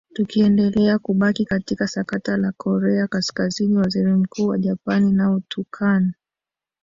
tukiendelea kubaki katika sakata la korea kaskazini waziri mkuu wa japan nao tu khan